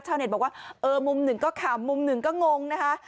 เน็ตบอกว่าเออมุมหนึ่งก็ขำมุมหนึ่งก็งงนะคะ